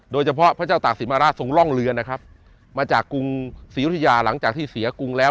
โดยเฉพาะพระเจ้าตากศิมาราชทรงร่องเรือนะครับมาจากกรุงศรียุธยาหลังจากที่เสียกรุงแล้ว